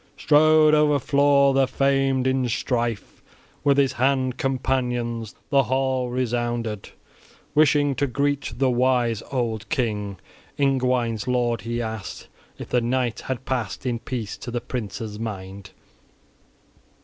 Strode o'er floor the famed in strife, with his hand companions, the hall resounded, wishing to greet the wise old king, Ingwines' lord; he asked if the night had passed in peace to the prince's mind.